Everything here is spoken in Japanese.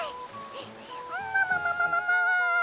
もももももも！